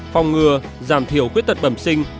hai phòng ngừa giảm thiểu khuyết tật bẩm sinh